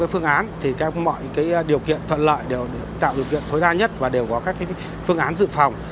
các phương án thì các mọi điều kiện thuận lợi đều tạo điều kiện thối ra nhất và đều có các phương án dự phòng